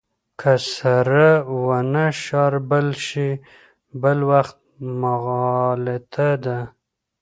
که سره ونه شاربل شي بل وخت مغالطه ده.